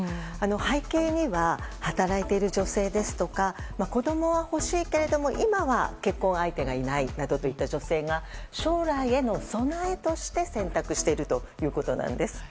背景には働いている女性ですとか子供は欲しいけれども今は結婚相手がいないなどといった女性が将来への備えとして選択しているということです。